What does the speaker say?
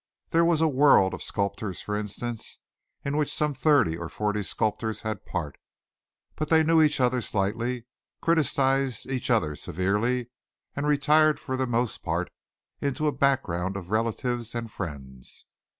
There was a world of sculptors, for instance, in which some thirty or forty sculptors had part but they knew each other slightly, criticised each other severely and retired for the most part into a background of relatives and friends.